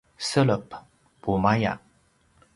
selep: pumaya